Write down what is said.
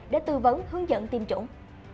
để tư vấn hướng dẫn tiêm chủng